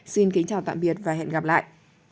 xin kính chào tạm biệt và hẹn gặp lại